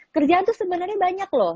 kerjaan tuh sebenarnya banyak loh